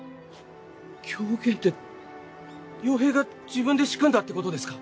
狂言って陽平が自分で仕組んだってことですか？